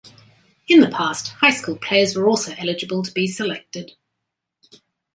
In the past, high school players were also eligible to be selected.